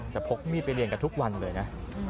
แต่พกมีดไปเรียนกันทุกวันเลยนะ